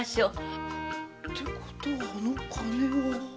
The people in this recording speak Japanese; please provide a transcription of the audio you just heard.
てことはあの金は。